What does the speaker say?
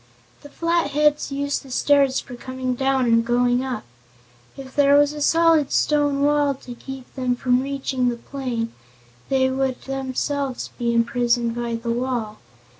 "The Flatheads use the stairs for coming down and going up. If there was a solid stone wall to keep them from reaching the plain they would themselves be imprisoned by the wall.